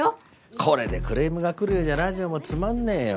これでクレームが来るようじゃラジオもつまんねえよ。